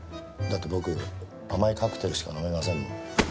だって僕甘いカクテルしか飲めませんもん。